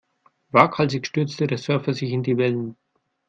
Waghalsig stürzte der Surfer sich in die Wellen.